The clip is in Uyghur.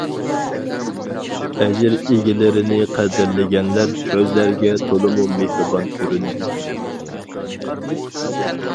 ئەجىر ئىگىلىرىنى قەدىرلىگەنلەر كۆزلەرگە تولىمۇ مېھرىبان كۆرۈنىدىكەن.